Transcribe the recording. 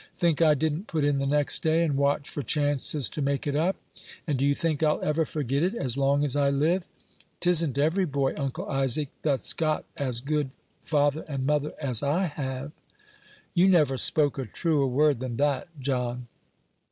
Think I didn't put in the next day, and watch for chances to make it up? and do you think I'll ever forget it, as long as I live? 'Tisn't every boy, Uncle Isaac, that's got as good father and mother as I have." "You never spoke a truer word than that, John."